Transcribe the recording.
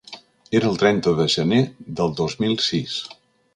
Era el trenta de gener del dos mil sis.